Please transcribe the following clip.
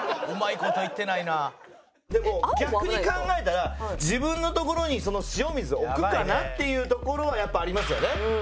でも逆に考えたら自分のところに塩水を置くかな？っていうところはやっぱありますよね。